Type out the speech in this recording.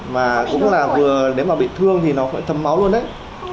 mà cũng là vừa nếu mà bị thương thì nó thâm máu luôn ấy